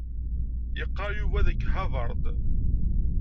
Yeqqar Yuba deg Harvard.